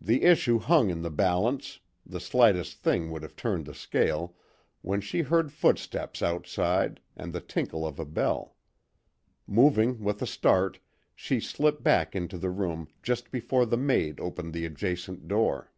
The issue hung in the balance the slightest thing would have turned the scale when she heard footsteps outside and the tinkle of a bell. Moving with a start, she slipped back into the room just before the maid opened the adjacent door.